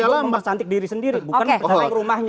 orang harus mempercantik diri sendiri bukan mempercantik rumahnya